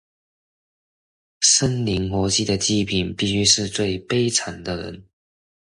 生靈活祭的祭品必須是最悲慘的人